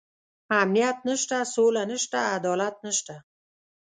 امنيت نشته، سوله نشته، عدالت نشته.